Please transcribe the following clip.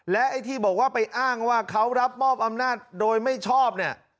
และไอ้ที่บอกว่าไปอ้างว่าเขารับมอบอำนาจโดยไม่ชอบเนี่ย